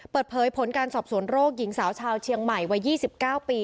เปิดเผยผลการสอบสวนโรคหญิงสาวชาวเชียงใหม่วัย๒๙ปี